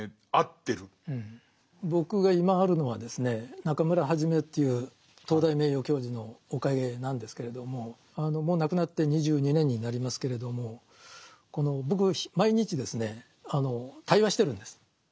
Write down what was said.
僕が今あるのはですね中村元という東大名誉教授のおかげなんですけれどももう亡くなって２２年になりますけれどもこの僕毎日ですね対話してるんです。